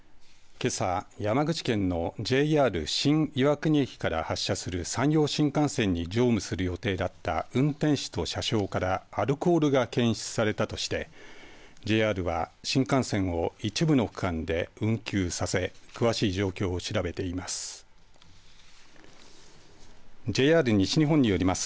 けさ、山口県のＪＲ新岩国駅から発車する山陽新幹線に乗務する予定だった運転士と車掌からアルコールが検出されたとしてＪＲは新幹線を一部の区間で運休させ詳しい状況を調べています。